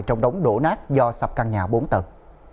trong đống đổ nát do sập căn nhà bốn tầng